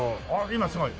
今すごい。